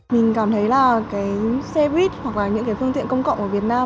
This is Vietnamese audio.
mình cảm thấy là cái xe buýt hoặc là những cái phương tiện công cộng ở việt nam